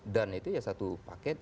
dan itu ya satu paket